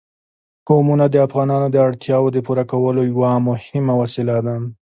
قومونه د افغانانو د اړتیاوو د پوره کولو یوه مهمه وسیله ده.